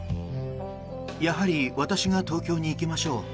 やはり私が東京に行きましょう。